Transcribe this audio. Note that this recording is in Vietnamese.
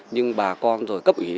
nhưng bà con rồi cấp ủy